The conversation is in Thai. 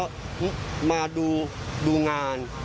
เขามาดูนอน